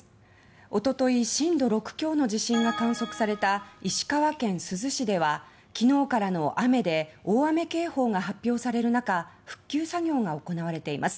一昨日、震度６強の地震が観測された石川県珠洲市では昨日からの雨で大雨警報が発表される中復旧作業が行われています。